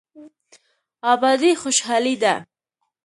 ابادي خوشحالي ده.